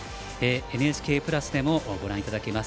ＮＨＫプラスでもご覧いただけます。